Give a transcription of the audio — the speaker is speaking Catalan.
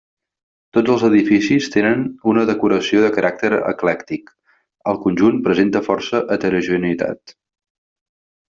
Tots els edificis tenen una decoració de caràcter eclèctic, el conjunt presenta força heterogeneïtat.